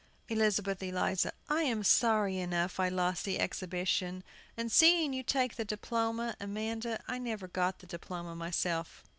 ELIZABETH ELIZA. I am sorry enough I lost the exhibition, and seeing you take the diploma, Amanda. I never got the diploma myself.